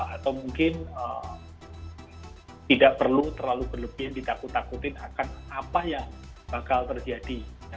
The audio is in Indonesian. atau mungkin tidak perlu terlalu berlebihan ditakut takutin akan apa yang bakal terjadi